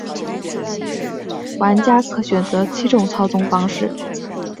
玩家可选择七种操纵方式。